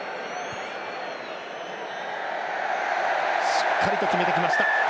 しっかりと決めてきました。